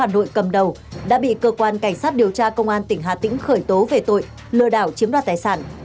đội cầm đầu đã bị cơ quan cảnh sát điều tra công an tỉnh hà tĩnh khởi tố về tội lừa đảo chiếm đoạt tài sản